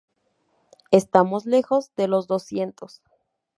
Estamos lejos de los doscientos.